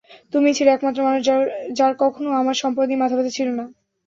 তুমিই ছিলে একমাত্র মানুষ যার কখনও আমার সম্পদ নিয়ে মাথাব্যাথা ছিল না।